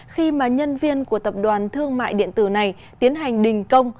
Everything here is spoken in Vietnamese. khi mà nhân viên của tập đoàn thương mại điện tử này tiến hành đình công